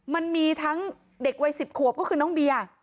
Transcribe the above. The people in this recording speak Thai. มันมีทั้งเด็กวัย๑๐ขวบก็คือน้องเบียร์